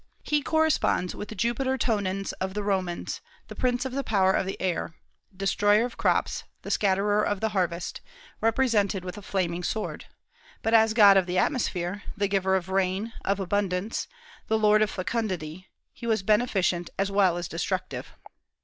He corresponds with the Jupiter Tonans of the Romans, "the prince of the power of the air," destroyer of crops, the scatterer of the harvest, represented with a flaming sword; but as god of the atmosphere, the giver of rain, of abundance, "the lord of fecundity," he was beneficent as well as destructive.